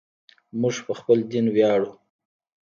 موږ په خپل دین ویاړو.